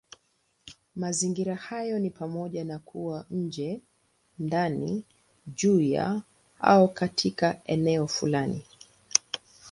Mazingira hayo ni pamoja na kuwa nje, ndani, juu ya, au katika eneo fulani.